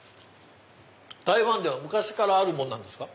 台湾では昔からあるものなんですか？